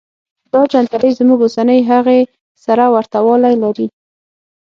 دا جنتري زموږ اوسنۍ هغې سره ورته والی لري.